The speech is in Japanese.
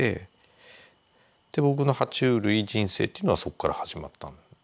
で僕のは虫類人生っていうのはそっから始まった。